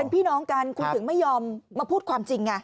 พี่น้องกันคุณถึงไม่ยอมมาพูดความจริง